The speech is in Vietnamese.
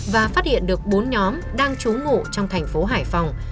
và phát hiện được bốn nhóm đang trú ngủ trong thành phố hải phòng